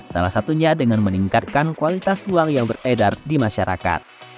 salah satunya dengan meningkatkan kualitas uang yang beredar di masyarakat